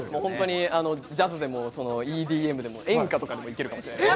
ジャズでもＥＤＭでも演歌もいけるかもしれないです。